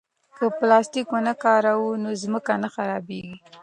که پلاستیک ونه کاروو نو ځمکه نه خرابېږي.